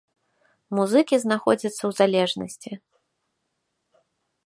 Музыкі знаходзяцца ў залежнасці.